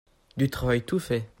Du travail tout fait.